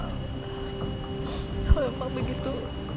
kalau memang begitu